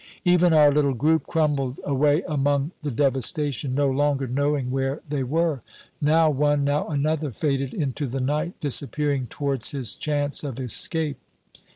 Even our little group crumbled away among the devastation, no longer knowing where they were. Now one, now another, faded into the night, disappearing towards his chance of escape.